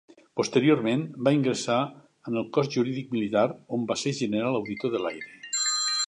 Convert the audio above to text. Posteriorment va ingressar en el Cos Jurídic Militar, on va ser General Auditor de l'Aire.